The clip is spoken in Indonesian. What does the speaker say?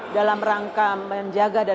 dalam rangka menjaga dan